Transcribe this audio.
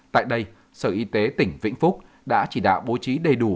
tại đây sở y tế tỉnh vĩnh phúc đã chỉ đạo bố trí đầy đủ